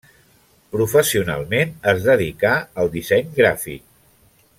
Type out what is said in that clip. Professionalment es dedicà al disseny gràfic.